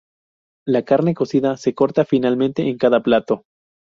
La carne cocida se corta finamente en cada plato.